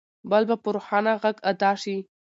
بل به په روښانه غږ ادا شي.